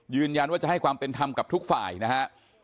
ยืนยันว่าจะให้ความเป็นธรรมกับทุกฝ่ายนะฮะ